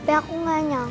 di rumah umar